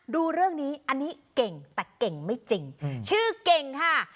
ดูเรื่องนี้อันนี้เก่งแต่เก่งไม่จริงชื่อเก่งค่ะ